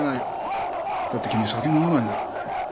だって君酒飲まないだろ。